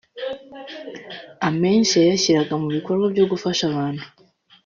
amenshi yayashyiraga mu bikorwa byo gufasha abantu